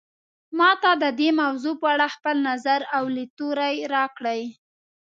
ما ته د دې موضوع په اړه خپل نظر او لیدلوری راکړئ